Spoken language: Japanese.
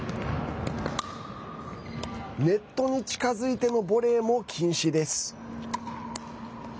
ネットに近づいてのボレーも禁止です。